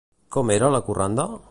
Com era la corranda?